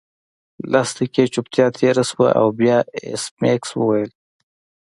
لس دقیقې چوپتیا تیره شوه او بیا ایس میکس وویل